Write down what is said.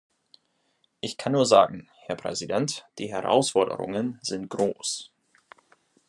Ich kann nur sagen, Herr Präsident, die Herausforderungen sind groß.